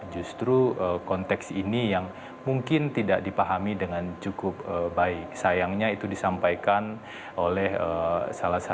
justru konteks ini yang mungkin tidak dipahami dengan cukup jelas